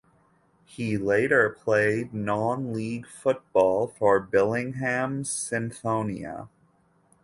He later played non-league football for Billingham Synthonia.